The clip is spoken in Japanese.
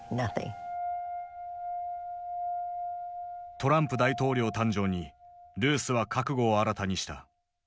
トランプ大統領誕生にルースは覚悟を新たにした。